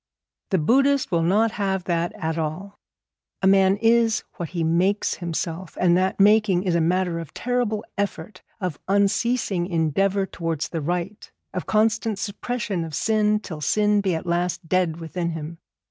The Buddhist will not have that at all. A man is what he makes himself; and that making is a matter of terrible effort, of unceasing endeavour towards the right, of constant suppression of sin, till sin be at last dead within him.